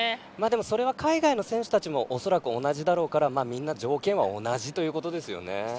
それは海外の選手たちも恐らく同じだろうからみんな条件は同じということですよね。